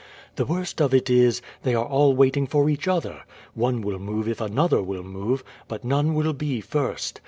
The worst of it is, they are all waiting for each other. One will move if another will move, but none will be first.